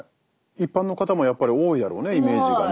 一般の方もやっぱり多いだろうねイメージがね。